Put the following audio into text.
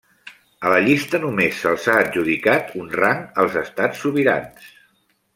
A la llista només se'ls ha adjudicat un rang als estats sobirans.